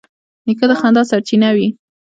نیکه د خندا سرچینه وي.